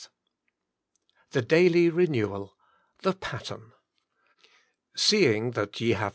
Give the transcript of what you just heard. XXVII THE DAILY RENEWAL — THE PATTERN" " Seeing that ye have